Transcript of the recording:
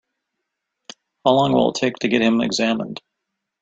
How long will it take to get him examined?